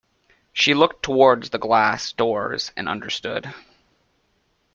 She looked towards the glass doors and understood.